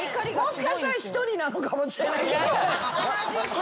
もしかしたら１人なのかもしれないけど。